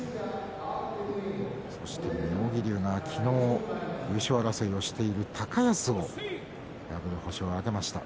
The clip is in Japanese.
そして妙義龍は昨日、優勝争いをしている高安を破る星を挙げました。